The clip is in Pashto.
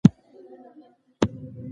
زه د سفر کیسه لیکم.